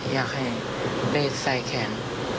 อยากให้ได้ใส่แขน